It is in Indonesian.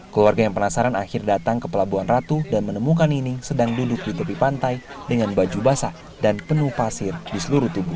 keluarga yang penasaran akhir datang ke pelabuhan ratu dan menemukan nining sedang duduk di tepi pantai dengan baju basah dan penuh pasir di seluruh tubuh